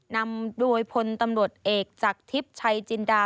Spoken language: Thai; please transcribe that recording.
นำโดยพลตำรวจเอกจากทิพย์ชัยจินดา